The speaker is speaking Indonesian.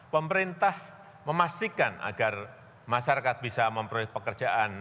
pemerintah memastikan agar masyarakat bisa memperoleh pekerjaan